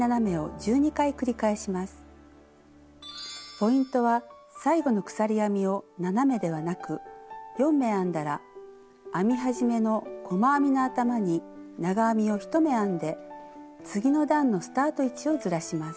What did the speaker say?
ポイントは最後の鎖編みを７目ではなく４目編んだら編み始めの細編みの頭に長編みを１目編んで次の段のスタート位置をずらします。